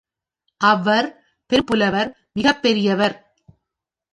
அவர் பெரும் புலவர் மிகப்பெரியவர்.